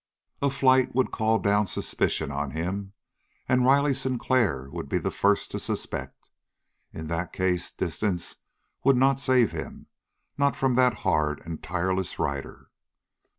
A flight would call down suspicion on him, and Riley Sinclair would be the first to suspect. In that case distance would not save him, not from that hard and tireless rider.